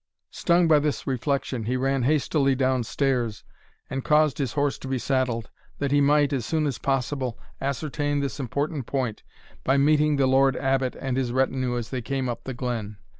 Stung by this reflection, he ran hastily down stairs, and caused his horse to be saddled, that he might, as soon as possible, ascertain this important point, by meeting the Lord Abbot and his retinue as they came up the glen.